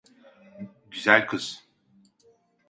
Güzel kız.